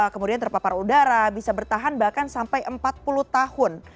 kemudian terpapar udara bisa bertahan bahkan sampai empat puluh tahun